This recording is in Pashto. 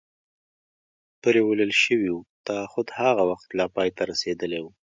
پرېولل شوي و، تعهد هغه وخت لا پای ته رسېدلی و.